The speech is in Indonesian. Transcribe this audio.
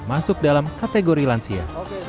masuk dalam kategori lansia